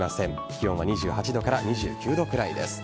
気温は２８度から２９度くらいです。